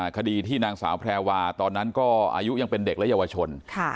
คดีที่นางสาวแพรวาตอนนั้นก็อายุยังเป็นเด็กและเยาวชน